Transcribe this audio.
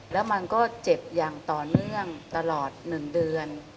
แล้วมันก็เจ็บอย่างต่อเนื่องตลอด๑เดือน